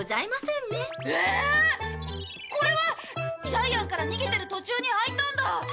ジャイアンから逃げてる途中にあいたんだ！